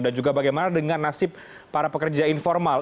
dan juga bagaimana dengan nasib para pekerja informal